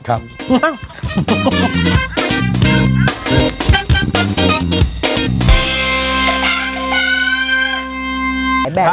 ครับ